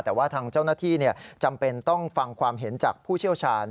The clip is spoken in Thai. แต่ว่าทางเจ้าหน้าที่จำเป็นต้องฟังความเห็นจากผู้เชี่ยวชาญ